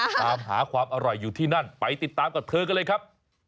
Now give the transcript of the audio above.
ตามหาความอร่อยอยู่ที่นั่นไปติดตามกับเธอกันเลยครับ